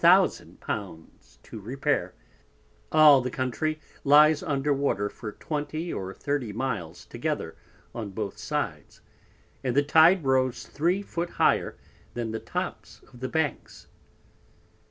_ to repair, all the Country lyes under Water for 20 or 30 Miles together on both sides, and the Tide rose three Foot higher than the tops of the Banks.